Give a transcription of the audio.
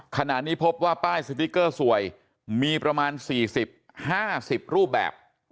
ขณะนี้พบว่าป้ายสติ๊กเกอร์สวยมีประมาณ๔๐๕๐รูปแบบ